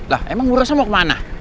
lah emang ngurusnya mau kemana